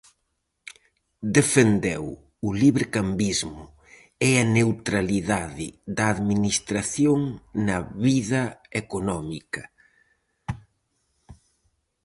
Defendeu o librecambismo e a neutralidade da administración na vida económica.